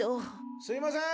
すいません！